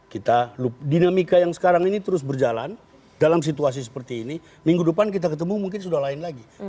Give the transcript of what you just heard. kita dinamika yang sekarang ini terus berjalan dalam situasi seperti ini minggu depan kita ketemu mungkin sudah lain lagi